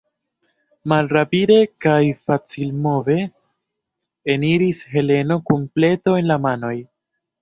Malrapide kaj facilmove eniris Heleno kun pleto en la manoj.